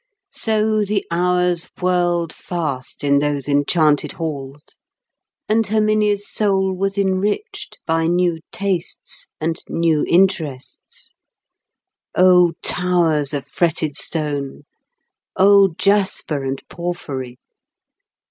So the hours whirled fast in those enchanted halls, and Herminia's soul was enriched by new tastes and new interests. O towers of fretted stone! O jasper and porphyry!